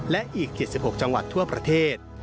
และอีก๗๖จังหวัดทั่วประเทศ